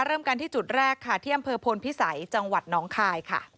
เริ่มกันที่จุดแรกค่ะที่อำเภอพลพิสัยจังหวัดน้องคายค่ะ